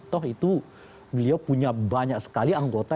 toh itu beliau punya banyak sekali anggota